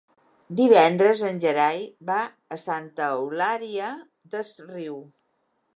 Divendres en Gerai va a Santa Eulària des Riu.